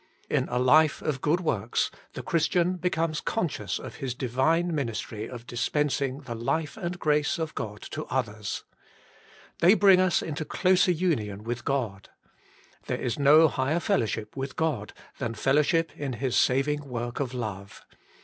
In a life of good works the Christian becomes conscious of his Divine ministry of dispensing the Hfe and grace of God to others. They bring us into closer union with God. There is no higher fellowship with God than fellowship in His saving work of love.